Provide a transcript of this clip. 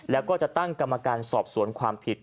แล้วก็จะตั้งกรรมการสอบสวนความผิด